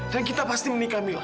dan kita pasti menikah mila